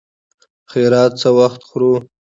خيرات څه وخت خورو.